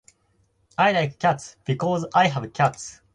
I like cats. Because I have cats.